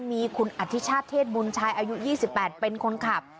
มีคุณอธิชาติเทศบุญชายอายุ๒๘เป็นคนขับ